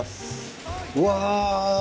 うわ！